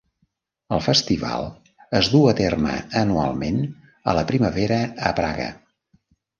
El festival es du a terme anualment a la primavera a Praga.